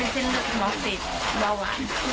เป็นเส้นหลักหมาวะ